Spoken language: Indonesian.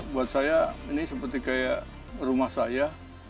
buat saya ini seperti kayak rumah saya